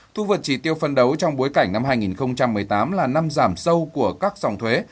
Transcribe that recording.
thu vượt chỉ tiêu phân đấu trong bối cảnh năm hai nghìn một mươi tám là năm giảm sâu của các dòng thuế